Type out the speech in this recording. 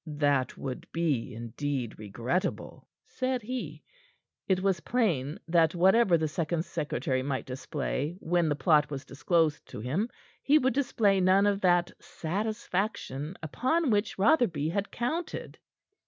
"That would be indeed regrettable," said he. It was plain that whatever the second secretary might display when the plot was disclosed to him, he would display none of that satisfaction upon which Rotherby had counted.